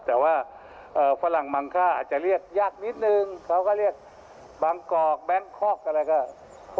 แต่ว่าฝรั่งบางค่าอาจจะเรียกยากนิดนึงเขาก็เรียกบางกอกแบงคอกอะไรก็